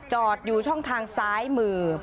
จอดอยู่ช่องทางซ้ายมือ